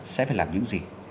sẽ phải làm những gì